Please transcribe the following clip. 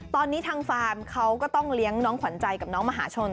ตอนนี้ทางฟาร์มเขาก็ต้องเลี้ยงน้องขวัญใจกับน้องมหาชน